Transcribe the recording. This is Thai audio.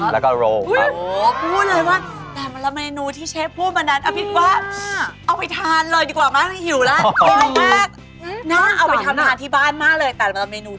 แล้วก็โร้ครับ